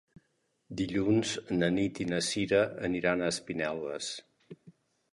Dilluns na Nit i na Sira aniran a Espinelves.